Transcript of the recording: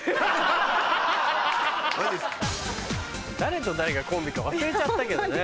誰と誰がコンビか忘れちゃったけどね。